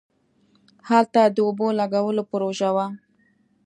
هلته د اوبو لگولو پروژه وه.